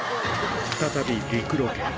再び陸ロケ。